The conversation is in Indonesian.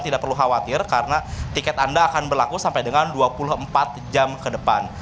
tidak perlu khawatir karena tiket anda akan berlaku sampai dengan dua puluh empat jam ke depan